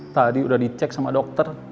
tadi udah dicek sama dokter